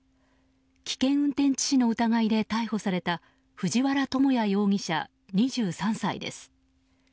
危険運転致死の疑いで逮捕された藤原友哉容疑者、２３歳です。